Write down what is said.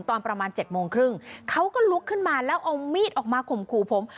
ตอนประมาณ๗โมงครึ่งเขาก็ลุกขึ้นมาแล้วเอามีดออกมาข่มขู่ผม